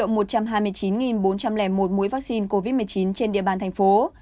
hai mươi chín bốn trăm linh một mũi vaccine covid một mươi chín trên địa bàn thành phố